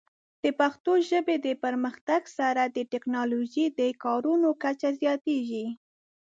د پښتو ژبې د پرمختګ سره، د ټیکنالوجۍ د کارولو کچه زیاتېږي.